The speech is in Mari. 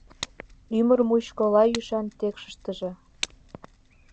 Ӱмыр мучко лай ӱшан тек шытыже.